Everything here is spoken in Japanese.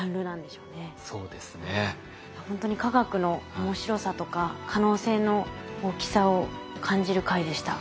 ほんとに化学の面白さとか可能性の大きさを感じる回でした。